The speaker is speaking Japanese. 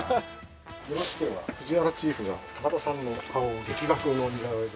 よろしければふじわらチーフが高田さんの顔を劇画風の似顔絵で。